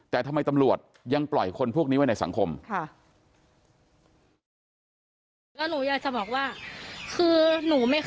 แต่ทำไมตำรวจยังปล่อยคนพวกนี้ไว้ในสังคม